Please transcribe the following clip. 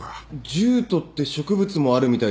ジュートって植物もあるみたいです。